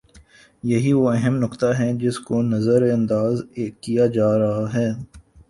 یہی وہ اہم نکتہ ہے جس کو نظر انداز کیا جا رہا ہے۔